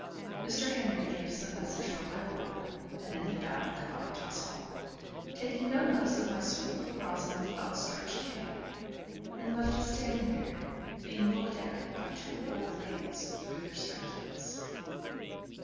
Mr. Henry gave some message from my lord, and then he bowed good by to us all, taking no notice of my sweet little Miss Rosamond's outstretched hand and left us standing there, being looked at by the two old ladies through their spectacles.